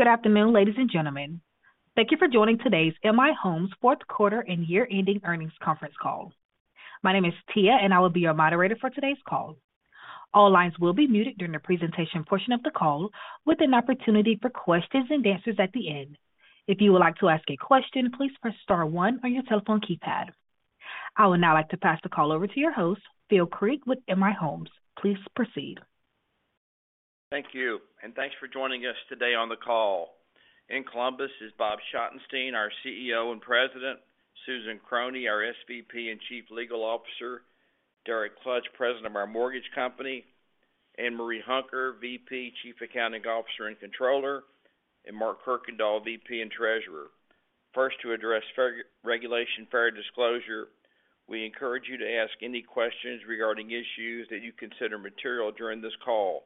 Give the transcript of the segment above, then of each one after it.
Good afternoon, ladies and gentlemen. Thank you for joining today's M/I Homes fourth quarter and year-ending earnings conference call. My name is Tia, and I will be your moderator for today's call. All lines will be muted during the presentation portion of the call, with an opportunity for questions and answers at the end. If you would like to ask a question, please press star one on your telephone keypad. I would now like to pass the call over to your host, Phil Creek with M/I Homes. Please proceed. Thank you, and thanks for joining us today on the call. In Columbus is Bob Schottenstein, our CEO and President, Susan Krohne, our SVP and Chief Legal Officer, Derek Klutch, President of our mortgage company, Ann Marie Hunker, VP, Chief Accounting Officer and Controller, and Mark Kirkendall, VP and Treasurer. First, to address Regulation Fair Disclosure, we encourage you to ask any questions regarding issues that you consider material during this call,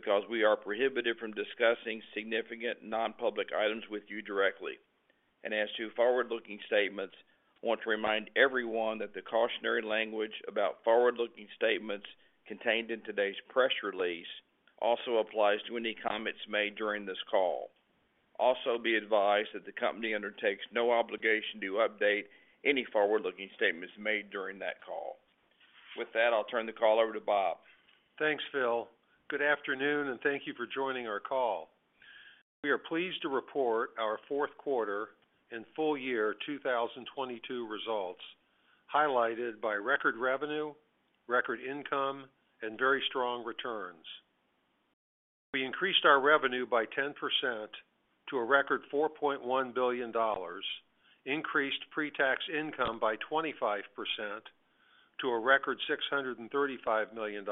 because we are prohibited from discussing significant non-public items with you directly. As to forward-looking statements, I want to remind everyone that the cautionary language about forward-looking statements contained in today's press release also applies to any comments made during this call. Also, be advised that the company undertakes no obligation to update any forward-looking statements made during that call. With that, I'll turn the call over to Bob. Thanks, Phil. Good afternoon, and thank you for joining our call. We are pleased to report our fourth quarter and full year 2022 results, highlighted by record revenue, record income, and very strong returns. We increased our revenue by 10% to a record $4.1 billion, increased pre-tax income by 25% to a record $635 million,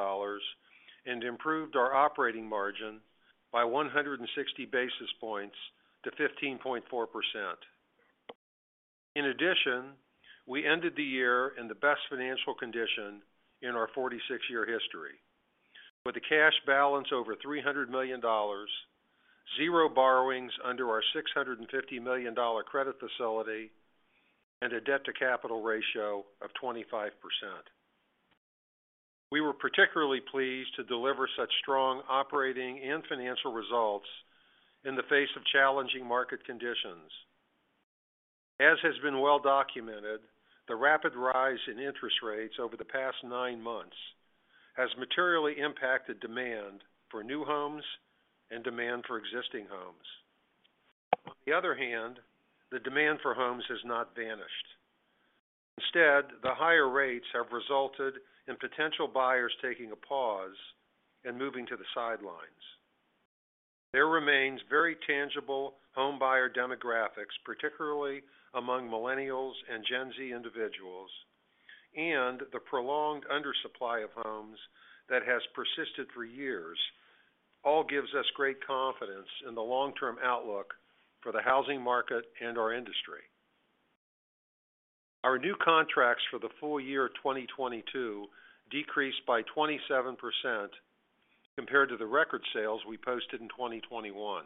and improved our operating margin by 160 basis points to 15.4%. In addition, we ended the year in the best financial condition in our 46-year history with a cash balance over $300 million, 0 borrowings under our $650 million credit facility, and a debt-to-capital ratio of 25%. We were particularly pleased to deliver such strong operating and financial results in the face of challenging market conditions. As has been well documented, the rapid rise in interest rates over the past nine months has materially impacted demand for new homes and demand for existing homes. On the other hand, the demand for homes has not vanished. Instead, the higher rates have resulted in potential buyers taking a pause and moving to the sidelines. There remains very tangible homebuyer demographics, particularly among Millennials and Gen Z individuals, and the prolonged undersupply of homes that has persisted for years, all gives us great confidence in the long-term outlook for the housing market and our industry. Our new contracts for the full year 2022 decreased by 27% compared to the record sales we posted in 2021.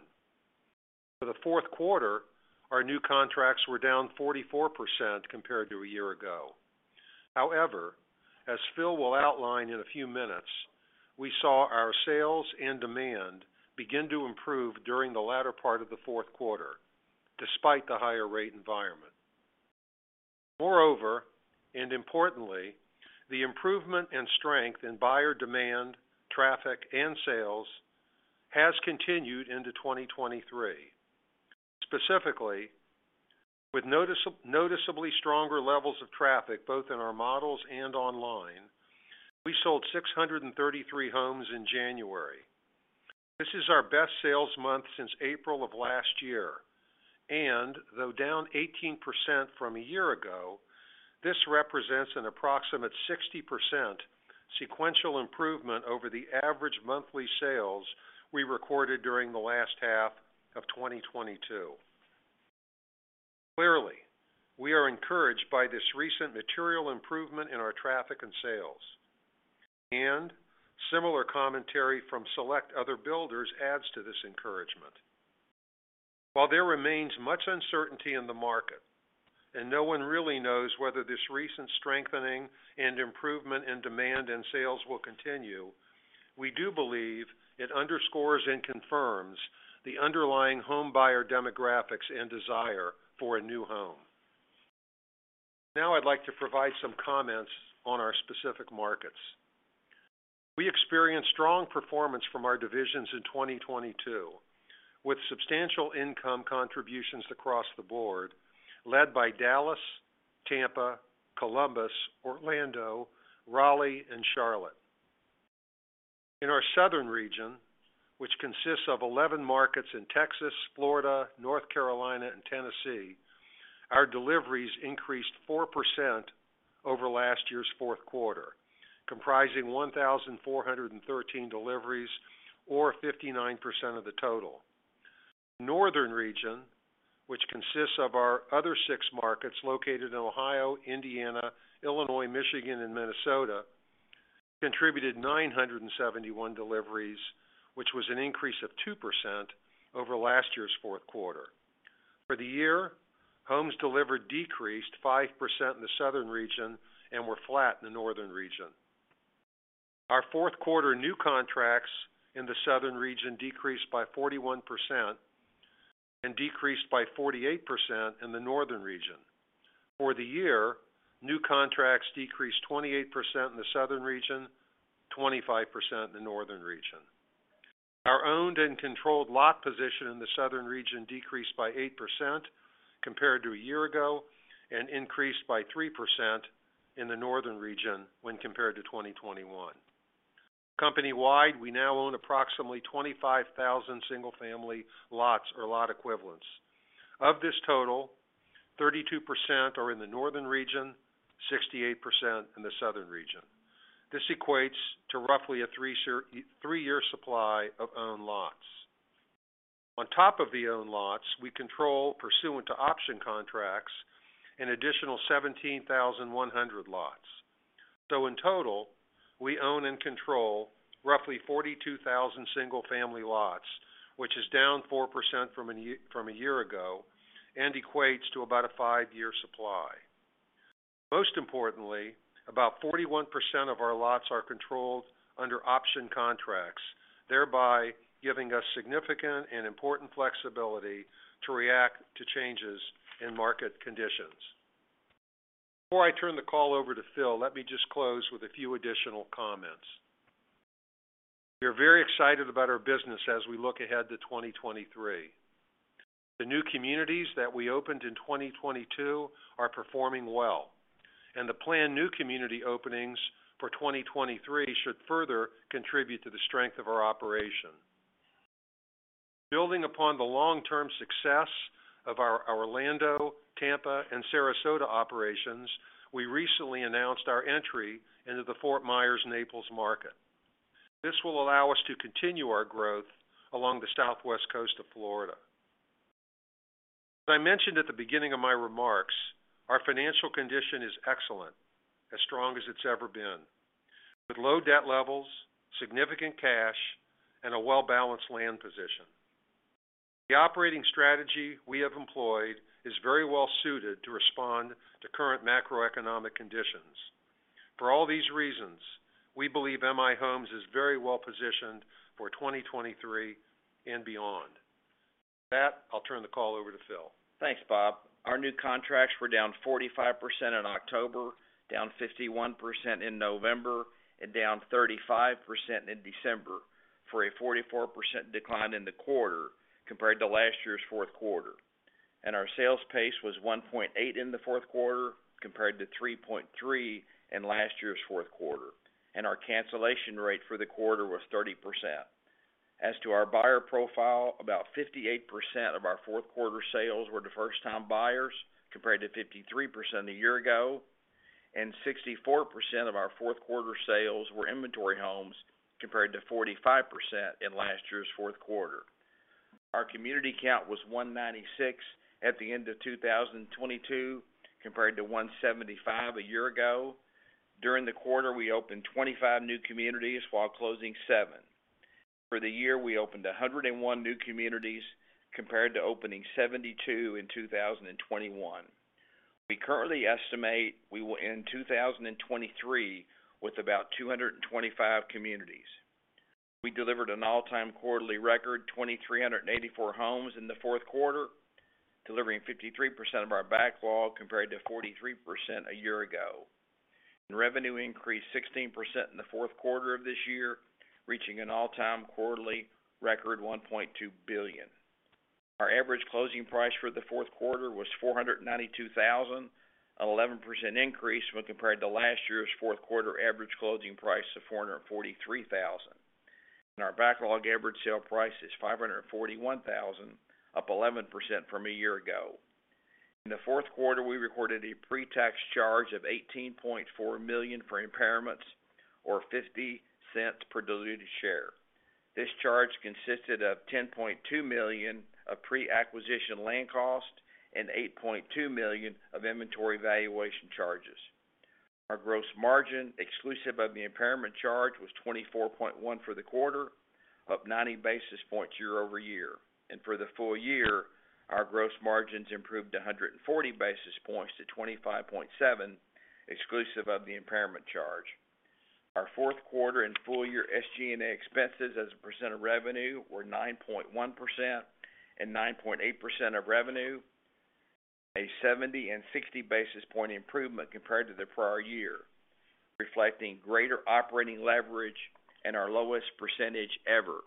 For the fourth quarter, our new contracts were down 44% compared to a year ago. However, as Phil will outline in a few minutes, we saw our sales and demand begin to improve during the latter part of the fourth quarter, despite the higher rate environment. Moreover, and importantly, the improvement and strength in buyer demand, traffic, and sales has continued into 2023. Specifically, with noticeably stronger levels of traffic, both in our models and online, we sold 633 homes in January. This is our best sales month since April of last year. Though down 18% from a year ago, this represents an approximate 60% sequential improvement over the average monthly sales we recorded during the last half of 2022. Clearly, we are encouraged by this recent material improvement in our traffic and sales, and similar commentary from select other builders adds to this encouragement. While there remains much uncertainty in the market, and no one really knows whether this recent strengthening and improvement in demand and sales will continue, we do believe it underscores and confirms the underlying homebuyer demographics and desire for a new home. I'd like to provide some comments on our specific markets. We experienced strong performance from our divisions in 2022, with substantial income contributions across the board, led by Dallas, Tampa, Columbus, Orlando, Raleigh, and Charlotte. In our Southern region, which consists of 11 markets in Texas, Florida, North Carolina, and Tennessee, our deliveries increased 4% over last year's fourth quarter, comprising 1,413 deliveries, or 59% of the total. Northern region, which consists of our other six markets located in Ohio, Indiana, Illinois, Michigan, and Minnesota, contributed 971 deliveries, which was an increase of 2% over last year's fourth quarter. For the year, homes delivered decreased 5% in the Southern region and were flat in the Northern region. Our fourth quarter new contracts in the Southern region decreased by 41% and decreased by 48% in the Northern region. For the year, new contracts decreased 28% in the Southern region, 25% in the Northern region. Our owned and controlled lot position in the Southern region decreased by 8% compared to a year ago, and increased by 3% in the Northern region when compared to 2021. Company-wide, we now own approximately 25,000 single-family lots or lot equivalents. Of this total, 32% are in the northern region, 68% in the southern region. This equates to roughly a three-year supply of owned lots. On top of the owned lots, we control, pursuant to option contracts, an additional 17,100 lots. In total, we own and control roughly 42,000 single-family lots, which is down 4% from a year ago and equates to about a five-year supply. Most importantly, about 41% of our lots are controlled under option contracts, thereby giving us significant and important flexibility to react to changes in market conditions. Before I turn the call over to Phil, let me just close with a few additional comments. We are very excited about our business as we look ahead to 2023. The new communities that we opened in 2022 are performing well. The planned new community openings for 2023 should further contribute to the strength of our operation. Building upon the long-term success of our Orlando, Tampa, and Sarasota operations, we recently announced our entry into the Fort Myers, Naples market. This will allow us to continue our growth along the southwest coast of Florida. As I mentioned at the beginning of my remarks, our financial condition is excellent, as strong as it's ever been, with low debt levels, significant cash, and a well-balanced land position. The operating strategy we have employed is very well suited to respond to current macroeconomic conditions. For all these reasons, we believe M/I Homes is very well positioned for 2023 and beyond. With that, I'll turn the call over to Phil. Thanks, Bob. Our new contracts were down 45% in October, down 51% in November, and down 35% in December, for a 44% decline in the quarter compared to last year's fourth quarter. Our sales pace was 1.8 in the fourth quarter compared to 3.3 in last year's fourth quarter. Our cancellation rate for the quarter was 30%. As to our buyer profile, about 58% of our fourth quarter sales were to first-time buyers, compared to 53% a year ago. 64% of our fourth quarter sales were inventory homes, compared to 45% in last year's fourth quarter. Our community count was 196 at the end of 2022, compared to 175 a year ago. During the quarter, we opened 25 new communities while closing seven. For the year, we opened 101 new communities, compared to opening 72 in 2021. We currently estimate we will end 2023 with about 225 communities. We delivered an all-time quarterly record 2,384 homes in the fourth quarter, delivering 53% of our backlog compared to 43% a year ago. Revenue increased 16% in the fourth quarter of this year, reaching an all-time quarterly record $1.2 billion. Our average closing price for the fourth quarter was $492,000, an 11% increase when compared to last year's fourth quarter average closing price of $443,000. Our backlog average sale price is $541,000, up 11% from a year ago. In the fourth quarter, we recorded a pre-tax charge of $18.4 million for impairments or $0.50 per diluted share. This charge consisted of $10.2 million of pre-acquisition land cost and $8.2 million of inventory valuation charges. Our gross margin, exclusive of the impairment charge, was 24.1% for the quarter, up 90 basis points year-over-year. For the full year, our gross margins improved 140 basis points to 25.7%, exclusive of the impairment charge. Our fourth quarter and full-year SG&A expenses as a % of revenue were 9.1% and 9.8% of revenue, a 70 and 60 basis point improvement compared to the prior year, reflecting greater operating leverage and our lowest % ever.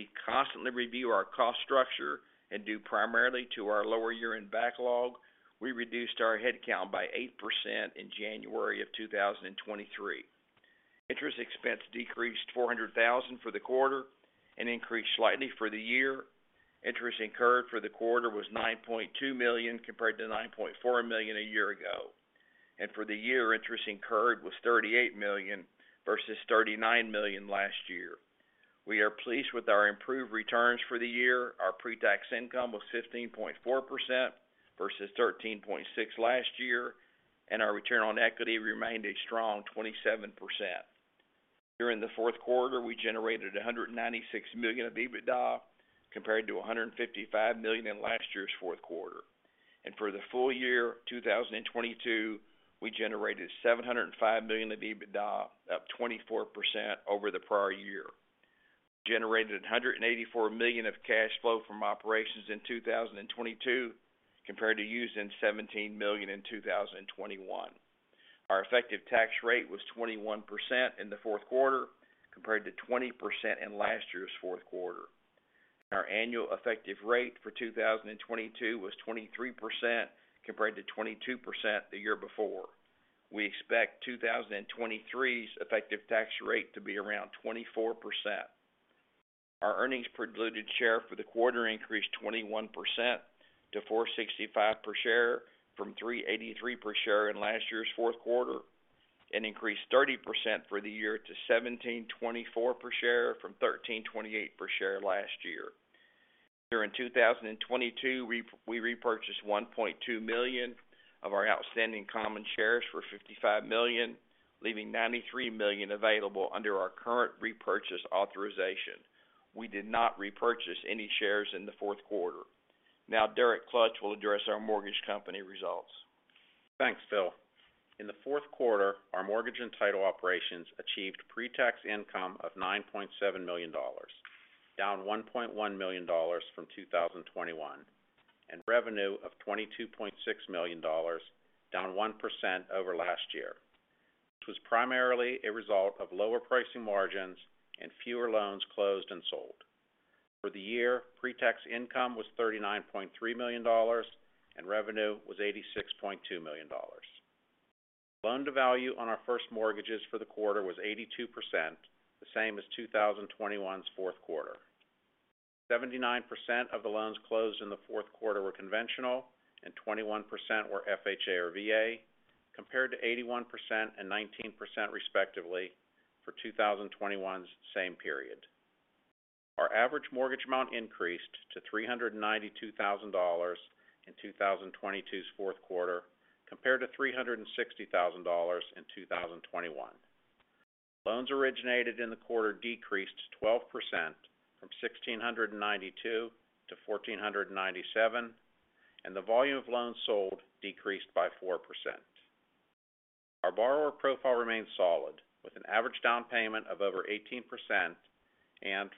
We constantly review our cost structure and due primarily to our lower year-end backlog, we reduced our headcount by 8% in January of 2023. Interest expense decreased $400,000 for the quarter and increased slightly for the year. Interest incurred for the quarter was $9.2 million compared to $9.4 million a year ago. For the year, interest incurred was $38 million versus $39 million last year. We are pleased with our improved returns for the year. Our pre-tax income was 15.4% versus 13.6% last year, and our return on equity remained a strong 27%. During the fourth quarter, we generated $196 million of EBITDA compared to $155 million in last year's fourth quarter. For the full year 2022, we generated $705 million of EBITDA, up 24% over the prior year. We generated $184 million of cash flow from operations in 2022 compared to using $17 million in 2021. Our effective tax rate was 21% in the fourth quarter compared to 20% in last year's fourth quarter. Our annual effective rate for 2022 was 23% compared to 22% the year before. We expect 2023's effective tax rate to be around 24%. Our earnings per diluted share for the quarter increased 21% to $4.65 per share from $3.83 per share in last year's fourth quarter. Increased 30% for the year to $17.24 per share from $13.28 per share last year. During 2022, we repurchased 1.2 million of our outstanding common shares for $55 million, leaving $93 million available under our current repurchase authorization. We did not repurchase any shares in the fourth quarter. Derek Klutch will address our mortgage company results. Thanks, Phil. In the fourth quarter, our mortgage and title operations achieved pre-tax income of $9.7 million, down $1.1 million from 2021, and revenue of $22.6 million, down 1% over last year, which was primarily a result of lower pricing margins and fewer loans closed and sold. For the year, pre-tax income was $39.3 million and revenue was $86.2 million. loan-to-value on our first mortgages for the quarter was 82%, the same as 2021's fourth quarter. 79% of the loans closed in the fourth quarter were conventional and 21% were FHA or VA, compared to 81% and 19% respectively for 2021's same period. Our average mortgage amount increased to $392,000 in 2022's fourth quarter, compared to $360,000 in 2021. Loans originated in the quarter decreased 12% from 1,692 to 1,497. The volume of loans sold decreased by 4%. Our borrower profile remained solid with an average down payment of over 18%.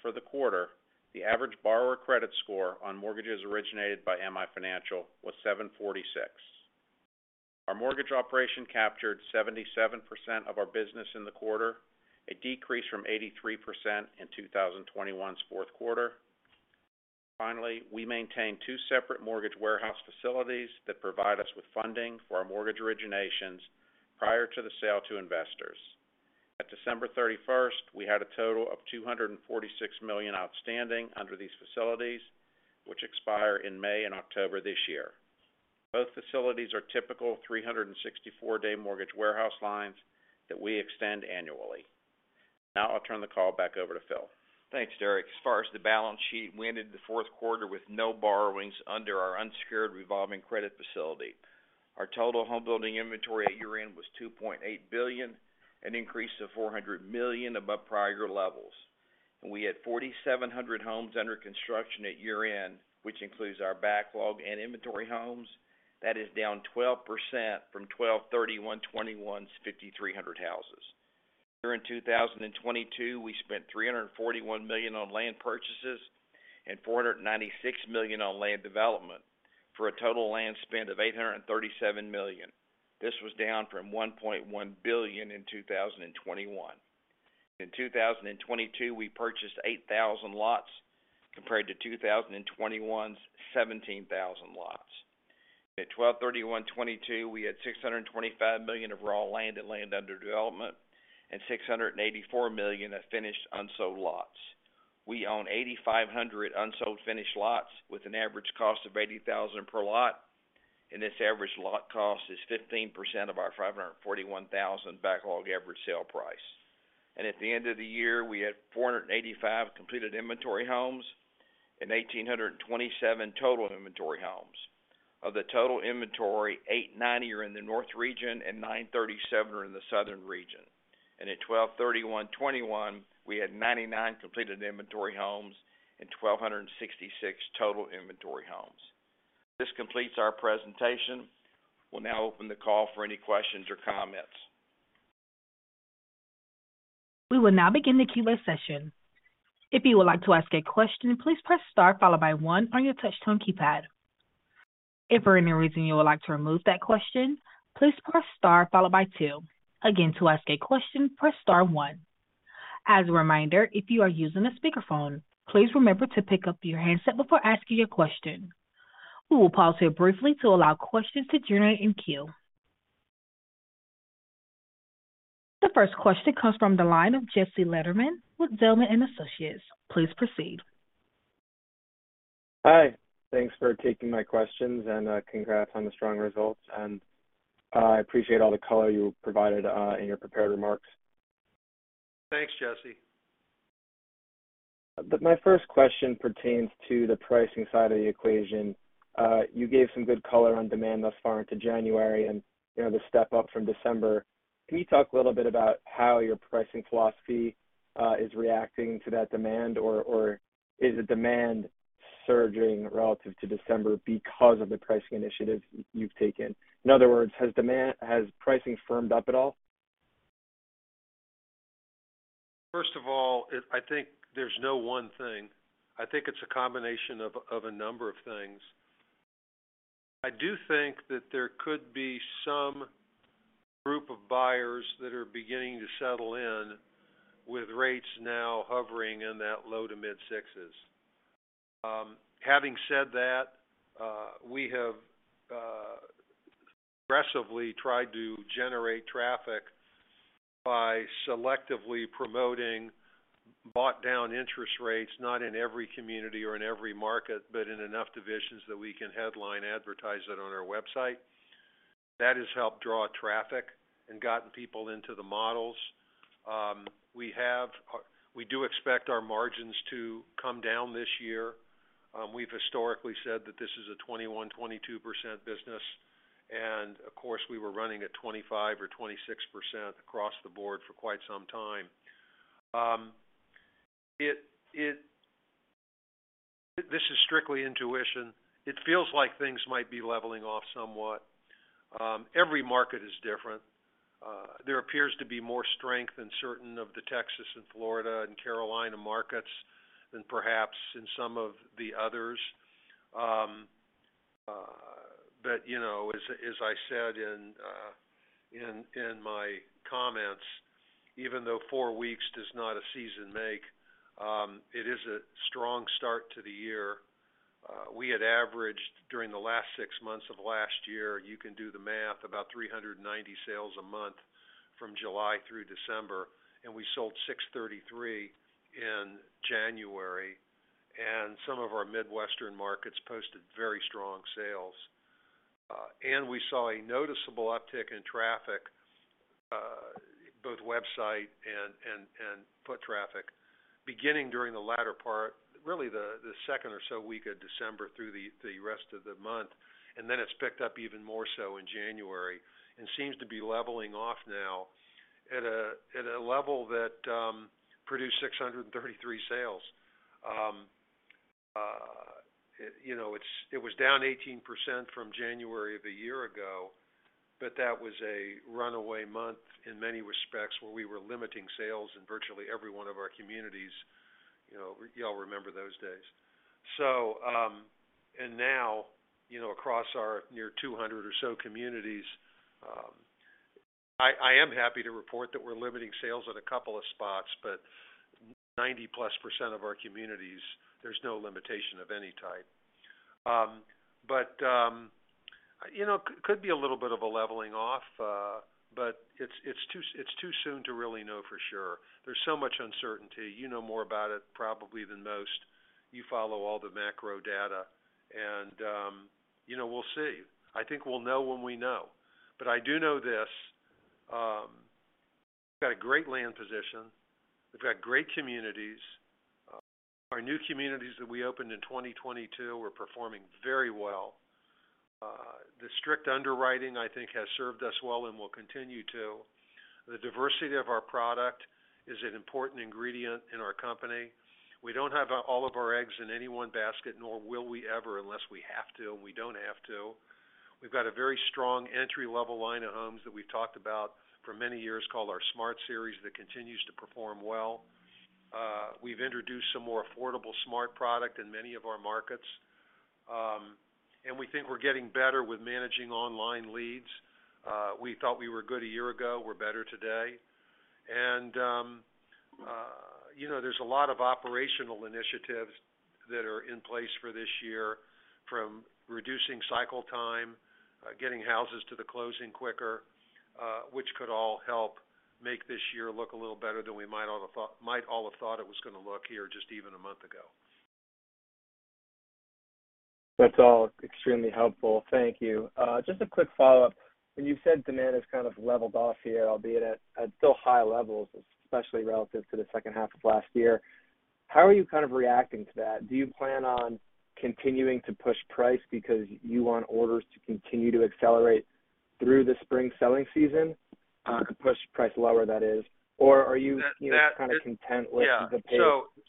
For the quarter, the average borrower credit score on mortgages originated by M/I Financial was 746. Our mortgage operation captured 77% of our business in the quarter, a decrease from 83% in 2021's fourth quarter. Finally, we maintained two separate mortgage warehouse facilities that provide us with funding for our mortgage originations prior to the sale to investors. At December 31st, we had a total of $246 million outstanding under these facilities, which expire in May and October this year. Both facilities are typical 364-day mortgage warehouse lines that we extend annually. Now I'll turn the call back over to Phil. Thanks, Derek. As far as the balance sheet, we ended the fourth quarter with no borrowings under our unsecured revolving credit facility. Our total home building inventory at year-end was $2.8 billion, an increase of $400 million above prior levels. We had 4,700 homes under construction at year-end, which includes our backlog and inventory homes. That is down 12% from 12/31/2021's 5,300 houses. During 2022, we spent $341 million on land purchases and $496 million on land development for a total land spend of $837 million. This was down from $1.1 billion in 2021. In 2022, we purchased 8,000 lots compared to 2021's 17,000 lots. At 12/31/2022, we had $625 million of raw land and land under development and $684 million of finished unsold lots. We own 8,500 unsold finished lots with an average cost of $80,000 per lot, and this average lot cost is 15% of our $541,000 backlog average sale price. At the end of the year, we had 485 completed inventory homes and 1,827 total inventory homes. Of the total inventory, 890 are in the North region and 937 are in the Southern region. At 12/31/2021, we had 99 completed inventory homes and 1,266 total inventory homes. This completes our presentation. We'll now open the call for any questions or comments. We will now begin the Q&A session. If you would like to ask a question, please press star followed by one on your touch tone keypad. If for any reason you would like to remove that question, please press star followed by two. Again, to ask a question, press star one. As a reminder, if you are using a speakerphone, please remember to pick up your handset before asking your question. We will pause here briefly to allow questions to generate in queue. The first question comes from the line of Jesse Lederman with Zelman & Associates. Please proceed. Hi. Thanks for taking my questions and congrats on the strong results. I appreciate all the color you provided in your prepared remarks. Thanks, Jesse. My first question pertains to the pricing side of the equation. You gave some good color on demand thus far into January and, you know, the step up from December. Can you talk a little bit about how your pricing philosophy is reacting to that demand? Or is the demand surging relative to December because of the pricing initiatives you've taken? In other words, has pricing firmed up at all? First of all, I think there's no one thing. I think it's a combination of a number of things. I do think that there could be some group of buyers that are beginning to settle in with rates now hovering in that low to mid 6s. Having said that, we have aggressively tried to generate traffic by selectively promoting bought down interest rates, not in every community or in every market, but in enough divisions that we can headline advertise it on our website. That has helped draw traffic and gotten people into the models. We do expect our margins to come down this year. We've historically said that this is a 21%-22% business, and of course, we were running at 25% or 26% across the board for quite some time. This is strictly intuition. It feels like things might be leveling off somewhat. Every market is different. There appears to be more strength in certain of the Texas and Florida and Carolina markets than perhaps in some of the others. You know, as I said in my comments, even though four weeks does not a season make, it is a strong start to the year. We had averaged during the last six months of last year, you can do the math, about 390 sales a month from July through December. We sold 633 in January, and some of our Midwestern markets posted very strong sales. We saw a noticeable uptick in traffic, both website and foot traffic, beginning during the latter part, really the second or so week of December through the rest of the month. It's picked up even more so in January and seems to be leveling off now at a level that produced 633 sales. It was down 18% from January of a year ago, but that was a runaway month in many respects, where we were limiting sales in virtually every one of our communities. You know, you all remember those days. Now, you know, across our near 200 or so communities, I am happy to report that we're limiting sales at a couple of spots. 90%+ of our communities, there's no limitation of any type. you know, could be a little bit of a leveling off, but it's too soon to really know for sure. There's so much uncertainty. You know more about it probably than most. You follow all the macro data, and, you know, we'll see. I think we'll know when we know. I do know this, we've got a great land position. We've got great communities. Our new communities that we opened in 2022 are performing very well. The strict underwriting, I think, has served us well and will continue to. The diversity of our product is an important ingredient in our company. We don't have all of our eggs in any one basket, nor will we ever, unless we have to, and we don't have to. We've got a very strong entry-level line of homes that we've talked about for many years called our Smart Series that continues to perform well. We've introduced some more affordable Smart product in many of our markets. We think we're getting better with managing online leads. We thought we were good a year ago. We're better today. You know, there's a lot of operational initiatives that are in place for this year, from reducing cycle time, getting houses to the closing quicker, which could all help make this year look a little better than we might all have thought it was gonna look here just even a month ago. That's all extremely helpful. Thank you. Just a quick follow-up. When you said demand has kind of leveled off here, albeit at still high levels, especially relative to the second half of last year, how are you kind of reacting to that? Do you plan on continuing to push price because you want orders to continue to accelerate through the spring selling season, to push price lower, that is? Or are you- That. kind of content with the pace?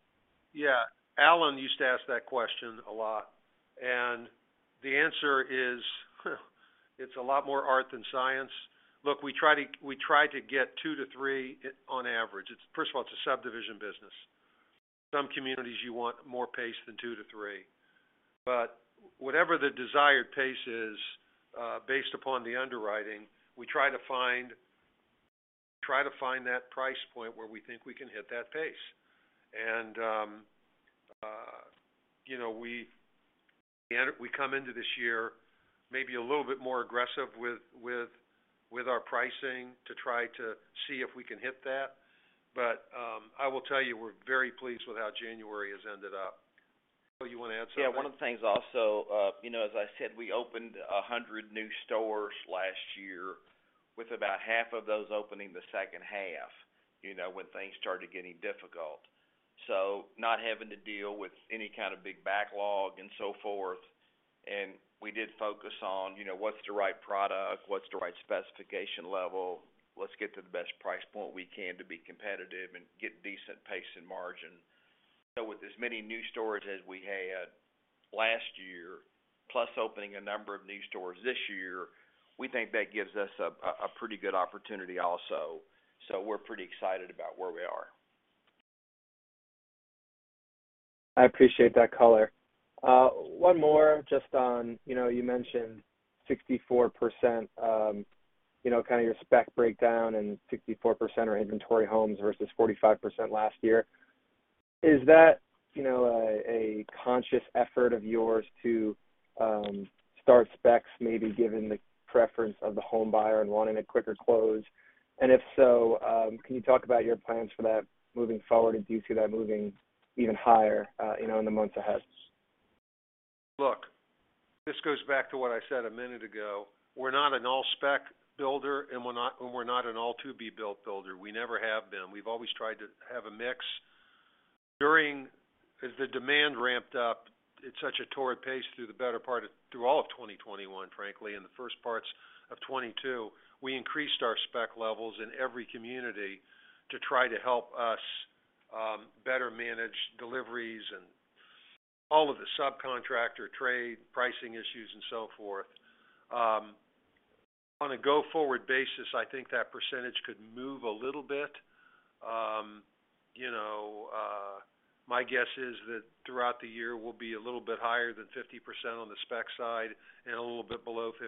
Yeah, Alan used to ask that question a lot, and the answer is, it's a lot more art than science. Look, we try to, we try to get two to three on average. First of all, it's a subdivision business. Some communities, you want more pace than two to three. Whatever the desired pace is, based upon the underwriting, we try to find, we try to find that price point where we think we can hit that pace. You know, we come into this year maybe a little bit more aggressive with our pricing to try to see if we can hit that. I will tell you, we're very pleased with how January has ended up. Phil, you want to add something? Yeah. One of the things also, you know, as I said, we opened 100 new stores last year with about half of those opening the second half, you know, when things started getting difficult. Not having to deal with any kind of big backlog and so forth. And we did focus on, you know, what's the right product, what's the right specification level. Let's get to the best price point we can to be competitive and get decent pace and margin. With as many new stores as we had last year, plus opening a number of new stores this year, we think that gives us a pretty good opportunity also. We're pretty excited about where we are. I appreciate that color. One more just on, you know, you mentioned 64%, you know, kind of your spec breakdown, and 64% are inventory homes versus 45% last year. Is that, you know, a conscious effort of yours to start specs maybe given the preference of the home buyer and wanting a quicker close? If so, can you talk about your plans for that moving forward? Do you see that moving even higher, you know, in the months ahead? Look, this goes back to what I said a minute ago. We're not an all-spec builder, and we're not an all to-be-built builder. We never have been. We've always tried to have a mix. During as the demand ramped up at such a torrid pace through all of 2021, frankly, and the first parts of 2022, we increased our spec levels in every community to try to help us better manage deliveries and all of the subcontractor trade pricing issues and so forth. On a go-forward basis, I think that % could move a little bit. You know, my guess is that throughout the year, we'll be a little bit higher than 50% on the spec side and a little bit below 50%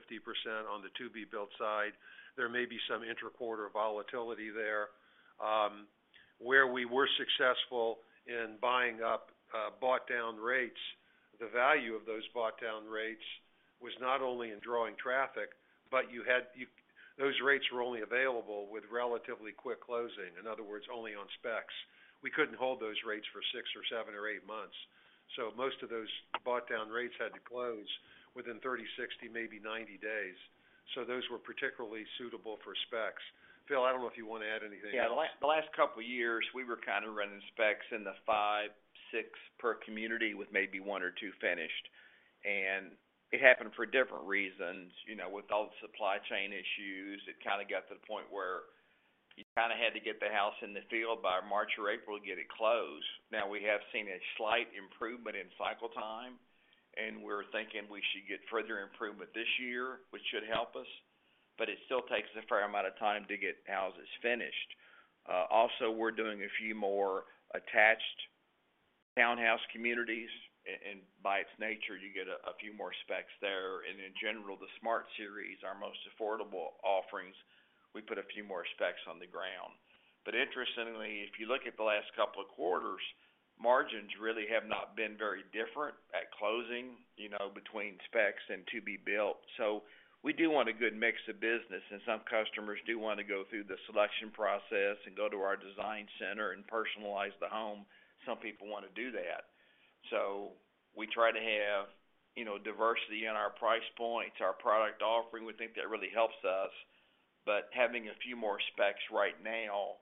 on the to-be-built side. There may be some intra-quarter volatility there. Where we were successful in buying up, bought-down rates, the value of those bought-down rates was not only in drawing traffic, but you had those rates were only available with relatively quick closing. In other words, only on specs. We couldn't hold those rates for six or seven or eight months. Most of those bought-down rates had to close within 30, 60, maybe 90 days. Those were particularly suitable for specs. Phil, I don't know if you want to add anything else. Yeah. The last couple of years, we were kind of running specs in the five, six per community with maybe one or two finished. It happened for different reasons. You know, with all the supply chain issues, it kind of got to the point where you kind of had to get the house in the field by March or April to get it closed. We have seen a slight improvement in cycle time, and we're thinking we should get further improvement this year, which should help us, but it still takes a fair amount of time to get houses finished. Also, we're doing a few more attached townhouse communities, and by its nature, you get a few more specs there. In general, the Smart Series, our most affordable offerings, we put a few more specs on the ground. Interestingly, if you look at the last couple of quarters, margins really have not been very different at closing, you know, between specs and to-be built. We do want a good mix of business, and some customers do want to go through the selection process and go to our design center and personalize the home. Some people want to do that. We try to have, you know, diversity in our price points, our product offering. We think that really helps us. Having a few more specs right now,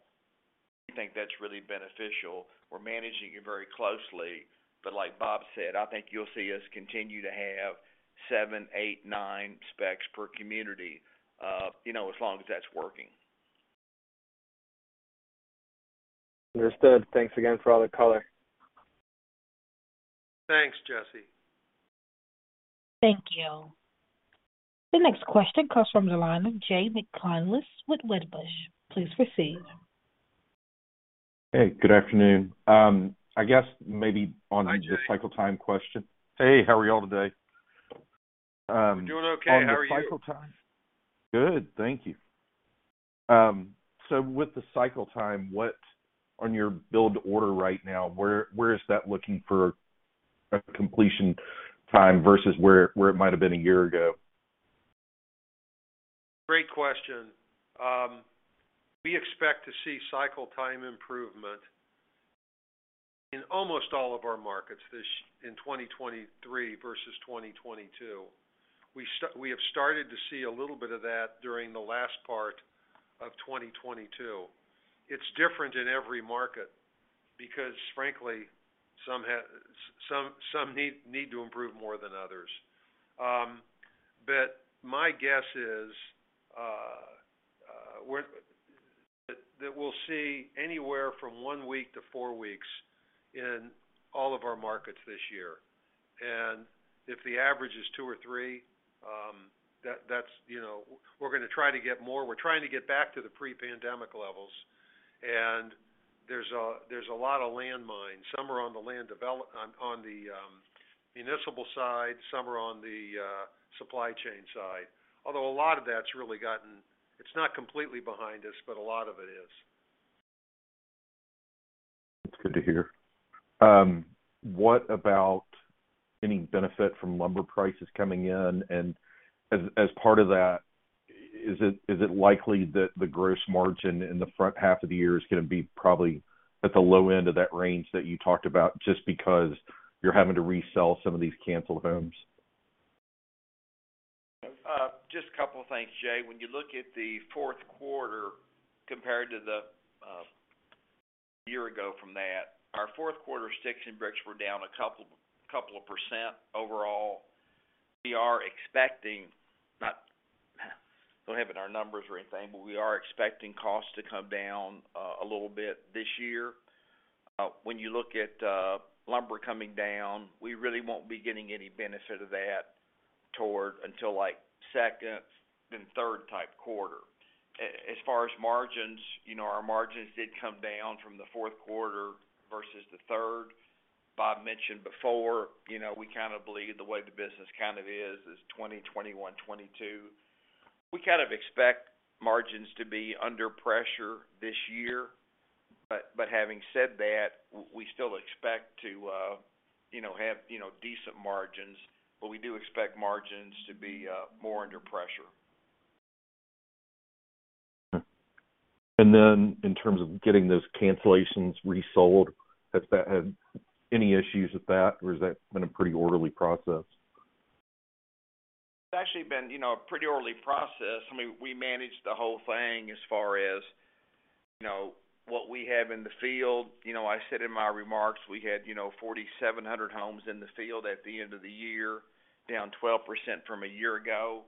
we think that's really beneficial. We're managing it very closely. Like Bob said, I think you'll see us continue to have seven, eight, nine specs per community, you know, as long as that's working. Understood. Thanks again for all the color. Thanks, Jesse. Thank you. The next question comes from the line of Jay McCanless with Wedbush. Please proceed. Hey, good afternoon. I guess maybe. Hi, Jay. the cycle time question. Hey, how are you all today? We're doing okay. How are you? On the cycle time. Good. Thank you. With the cycle time, what on your build order right now, where is that looking for a completion time versus where it might have been a year ago? Great question. We expect to see cycle time improvement in almost all of our markets in 2023 versus 2022. We have started to see a little bit of that during the last part of 2022. It's different in every market because frankly, some need to improve more than others. But my guess is, we'll see anywhere from one week to four weeks in all of our markets this year. If the average is two or three, that's, you know, we're going to try to get more. We're trying to get back to the pre-pandemic levels. There's a lot of landmines. Some are on the land develop on the municipal side, some are on the supply chain side. It's not completely behind us, but a lot of it is. That's good to hear. What about any benefit from lumber prices coming in? As part of that, is it likely that the gross margin in the front half of the year is going to be probably at the low end of that range that you talked about just because you're having to resell some of these canceled homes? Just a couple of things, Jay. When you look at the fourth quarter compared to the year ago from that, our fourth quarter sticks and bricks were down a couple of % overall. We are expecting don't have in our numbers or anything, but we are expecting costs to come down a little bit this year. When you look at lumber coming down, we really won't be getting any benefit of that toward until like second and third type quarter. As far as margins, you know, our margins did come down from the fourth quarter versus the third. Bob mentioned before, you know, we kind of believe the way the business kind of is, 2021, 2022. We kind of expect margins to be under pressure this year. Having said that, we still expect to, you know, have, you know, decent margins, we do expect margins to be more under pressure. In terms of getting those cancellations resold, has that had any issues with that? Has that been a pretty orderly process? It's actually been, you know, a pretty orderly process. I mean, we managed the whole thing as far as, you know, what we have in the field. You know, I said in my remarks, we had, you know, 4,700 homes in the field at the end of the year, down 12% from a year ago.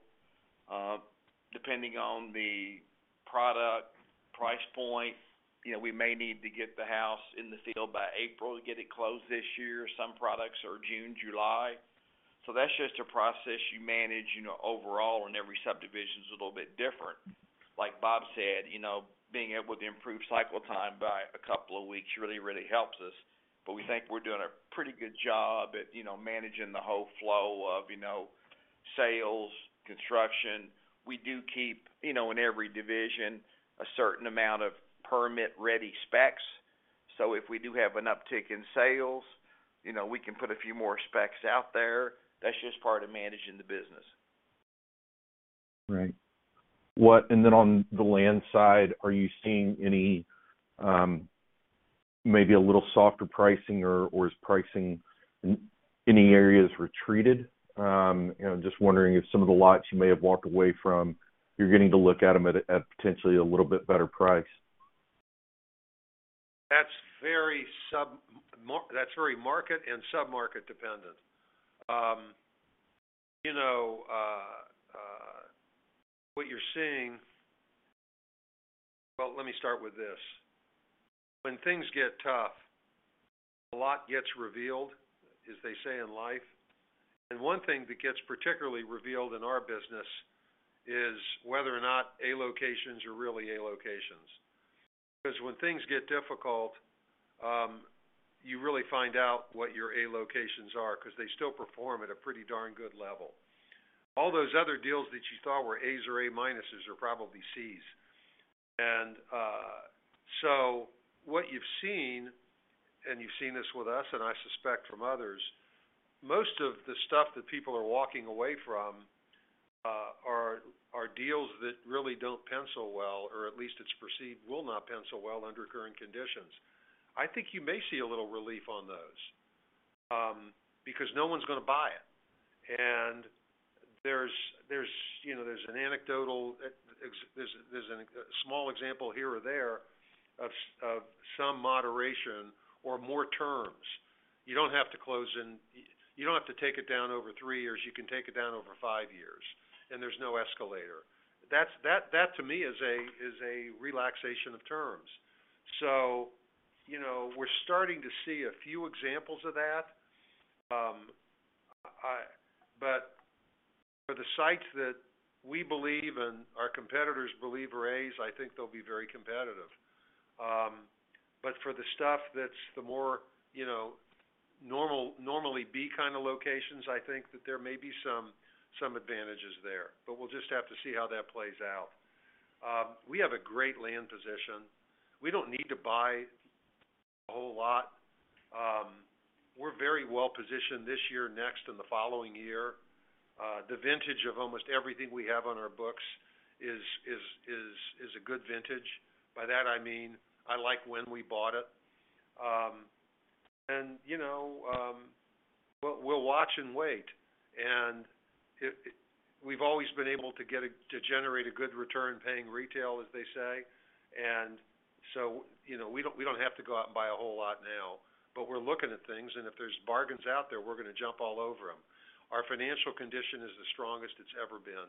Depending on the product price point, you know, we may need to get the house in the field by April to get it closed this year. Some products are June, July. That's just a process you manage, you know, overall, and every subdivision is a little bit different. Like Bob said, you know, being able to improve cycle time by a couple of weeks really helps us. We think we're doing a pretty good job at, you know, managing the whole flow of, you know, sales, construction. We do keep, you know, in every division, a certain amount of permit-ready specs. If we do have an uptick in sales, you know, we can put a few more specs out there. That's just part of managing the business. Right. Then on the land side, are you seeing any maybe a little softer pricing or is pricing in any areas retreated? You know, just wondering if some of the lots you may have walked away from, you're getting to look at them at potentially a little bit better price. That's very market and sub-market dependent. you know, what you're seeing. Well, let me start with this. When things get tough, a lot gets revealed, as they say in life. One thing that gets particularly revealed in our business is whether or not A locations are really A locations. Because when things get difficult, you really find out what your A locations are because they still perform at a pretty darn good level. All those other deals that you thought were As or A minuses are probably Cs. So what you've seen, and you've seen this with us, and I suspect from others, most of the stuff that people are walking away from, are deals that really don't pencil well, or at least it's perceived will not pencil well under current conditions. I think you may see a little relief on those because no one's going to buy it. There's, you know, there's an anecdotal, there's a small example here or there of some moderation or more terms. You don't have to close in... You don't have to take it down over three years. You can take it down over five years, and there's no escalator. That to me is a relaxation of terms. You know, we're starting to see a few examples of that. I, but for the sites that we believe and our competitors believe are As, I think they'll be very competitive. For the stuff that's the more, you know, normally B kind of locations, I think that there may be some advantages there, but we'll just have to see how that plays out. We have a great land position. We don't need to buy a whole lot. We're very well positioned this year, next, and the following year. The vintage of almost everything we have on our books is a good vintage. By that, I mean, I like when we bought it. You know, we'll watch and wait. It, we've always been able to generate a good return paying retail, as they say. You know, we don't, we don't have to go out and buy a whole lot now. We're looking at things, and if there's bargains out there, we're gonna jump all over them. Our financial condition is the strongest it's ever been.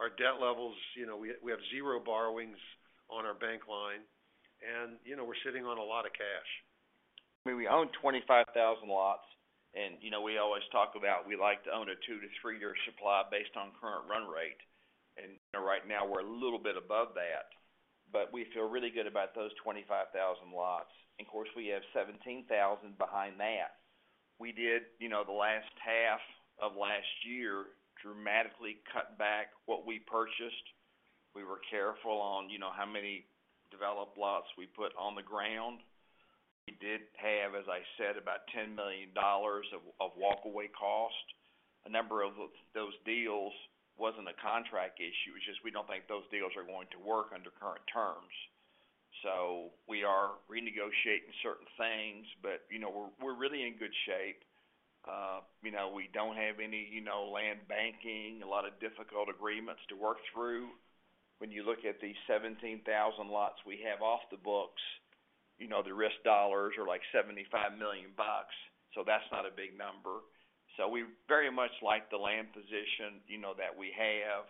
Our debt levels, you know, we have 0 borrowings on our bank line, and, you know, we're sitting on a lot of cash. I mean, we own 25,000 lots, you know, we always talk about we like to own a two to three-year supply based on current run rate. You know, right now we're a little bit above that, but we feel really good about those 25,000 lots. Of course, we have 17,000 behind that. We did, you know, the last half of last year, dramatically cut back what we purchased. We were careful on, you know, how many developed lots we put on the ground. We did have, as I said, about $10 million of walkaway cost. A number of those deals wasn't a contract issue. It's just we don't think those deals are going to work under current terms. We are renegotiating certain things, but, you know, we're really in good shape. You know, we don't have any, you know, land banking, a lot of difficult agreements to work through. When you look at the 17,000 lots we have off the books, you know, the risk dollars are like $75 million bucks, that's not a big number. We very much like the land position, you know, that we have.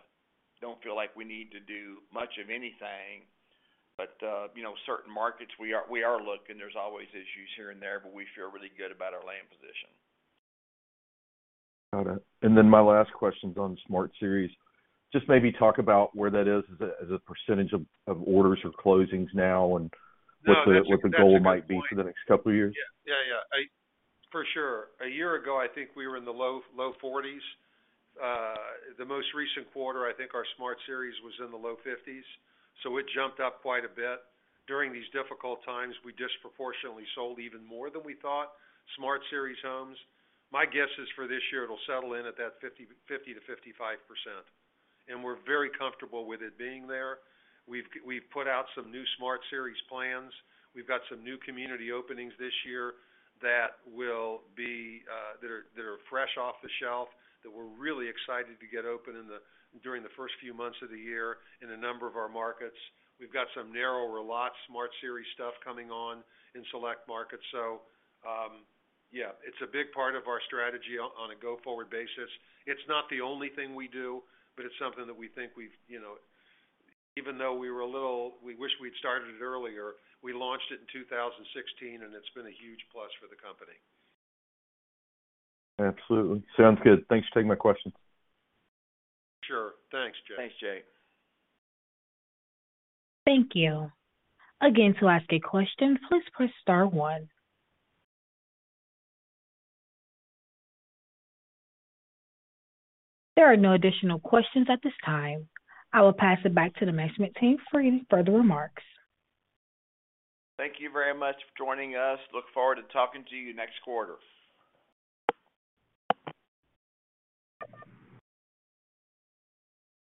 Don't feel like we need to do much of anything. You know, certain markets we are looking. There's always issues here and there, but we feel really good about our land position. Got it. My last question is on Smart Series. Just maybe talk about where that is as a % of orders or closings now and what the, what the goal might be for the next couple of years? For sure. A year ago, I think we were in the low 40s. The most recent quarter, I think our Smart Series was in the low 50s, so it jumped up quite a bit. During these difficult times, we disproportionately sold even more than we thought, Smart Series homes. My guess is for this year it'll settle in at that 50%-55%, and we're very comfortable with it being there. We've put out some new Smart Series plans. We've got some new community openings this year that are fresh off the shelf, that we're really excited to get open during the first few months of the year in a number of our markets. We've got some narrower lot Smart Series stuff coming on in select markets. Yeah, it's a big part of our strategy on a go-forward basis. It's not the only thing we do, but it's something that we think we've, you know. Even though we wish we'd started it earlier, we launched it in 2016, and it's been a huge plus for the company. Absolutely. Sounds good. Thanks for taking my questions. Sure. Thanks, Jay. Thanks, Jay. Thank you. Again, to ask a question, please press star one. There are no additional questions at this time. I will pass it back to the management team for any further remarks. Thank you very much for joining us. Look forward to talking to you next quarter.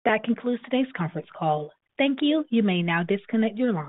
That concludes today's conference call. Thank you. You may now disconnect your line.